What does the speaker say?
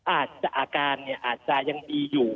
อาการอาจจะยังดีอยู่